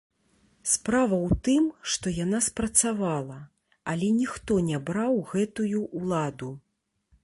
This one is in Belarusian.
Справа ў тым, што яна спрацавала, але ніхто не браў гэтую ўладу!